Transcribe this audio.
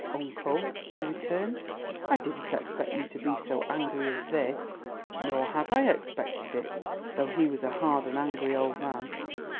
"Uncle," I returned, "I didn't expect you to be so angry as this." Nor had I expected it, though he was a hard and angry old man.